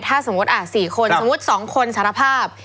ถ้าสมมุติ๔คนสมมุติ๒คนสารภาพ